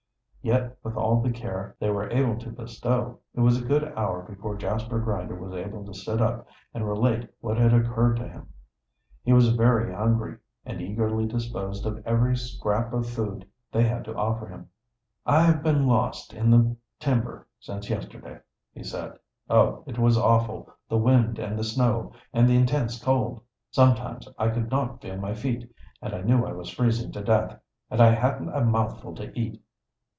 Yet, with all the care they were able to bestow, it was a good hour before Jasper Grinder was able to sit up and relate what had occurred to him. He was very hungry, and eagerly disposed of every scrap of food they had to offer him. "I have been lost in the timber since yesterday," he said. "Oh, it was awful, the wind and the snow, and the intense cold. Sometimes I could not feel my feet, and I knew I was freezing to death. And I hadn't a mouthful to eat!"